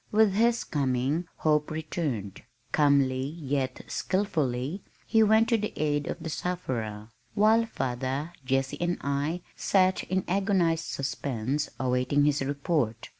With his coming hope returned. Calmly yet skillfully he went to the aid of the sufferer, while father, Jessie and I sat in agonized suspense awaiting his report.